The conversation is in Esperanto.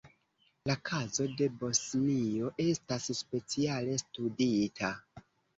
La kazo de Bosnio estas speciale studita.